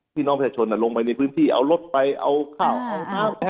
พี่น้องประชาชนลงไปในพื้นที่เอารถไปเอาข้าวเอาน้ำ